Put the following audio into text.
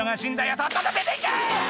「とっとと出て行け！」